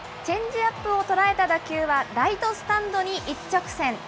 チェンジアップを捉えた打球は、ライトスタンドに一直線。